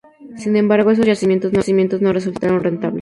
Sin embargo, esos yacimientos no resultaron rentables.